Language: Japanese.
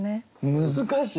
難しい。